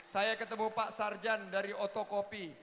saya ketemu pak sarjan dari otokopi